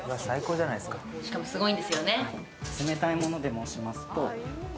しかも、すごいんですよね。